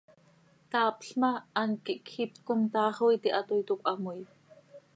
Taapl ma, hant quih cjip com taax oo it hatoii, toc cöhamoii.